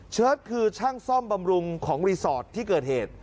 คือช่างซ่อมบำรุงของรีสอร์ทที่เกิดเหตุ